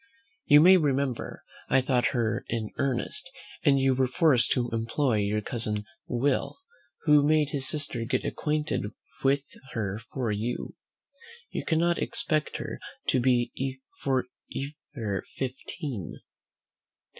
You may remember I thought her in earnest, and you were forced to employ your cousin Will, who made his sister get acquainted with her for you. You cannot expect her to be for ever fifteen."